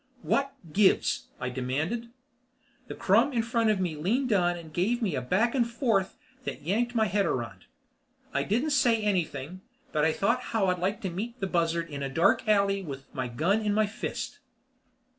"What gives?" I demanded. The crumb in front of me leaned down and gave me a back and forth that yanked my head around. I didn't say anything, but I thought how I'd like to meet the buzzard in a dark alley with my gun in my fist.